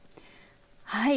はい。